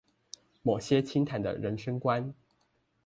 某些清談的人生觀